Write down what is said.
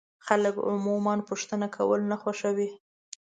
خلک عموما پوښتنه کول نه خوښوي.